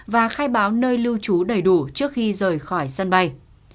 và khai báo nơi lưu trú đầy đủ trước khi rời khỏi sân bay